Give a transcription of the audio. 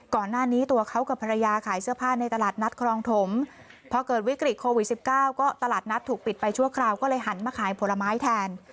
ก่อนหน้านี้ตัวเขากับภรรยาขายเสื้อผ้าในตลาดนัดครองถมพอเกิดวิกฤตโควิด๑๙ก็ตลาดนัดถูกปิดไปชั่วคราวก็เลยหันมาขายผลไม้แทน